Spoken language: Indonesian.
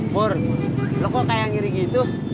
bor lo kok kayak ngiri gitu